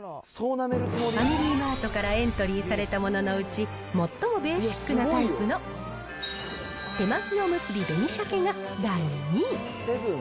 ファミリーマートからエントリーされたもののうち、最もベーシックなタイプの、手巻おむすび紅しゃけが第２位。